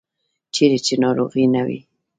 چیرې چې ناروغي نه وي.